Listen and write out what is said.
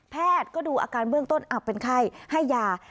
แพทย์ก็ดูอาการเบื้องต้นเป็นไข้ให้ยา